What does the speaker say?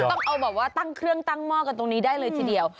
ต้องเอาแบบว่าตั้งเครื่องตั้งหม้อกันตรงนี้ได้เลยทีเดียว